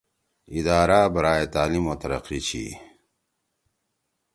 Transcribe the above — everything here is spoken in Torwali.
ادارہ برائے تعلیم و ترقی (IBT)